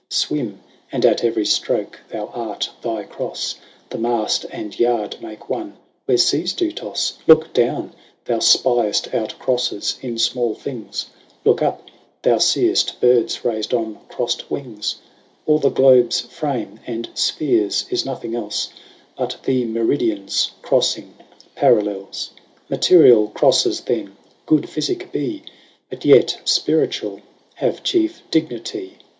Swimme, and at every ftroake, thou art thy Crofle ; The Maft and yard make one, where feas do tofle ; 20 Looke downe, thou fpieft out Crofles in fmall things ; Looke up, thou feeft birds rais'd on crofled wings ; All the Globes frame, and fpheares, is nothing elfe But the Meridians eroding Parallels. Materiall Crofles then, good phyficke bee, 25 But yet fpirituall have chiefe dignity.